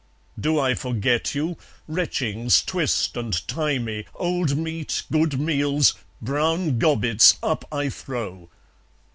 Do I forget you? Retchings twist and tie me, Old meat, good meals, brown gobbets, up I throw.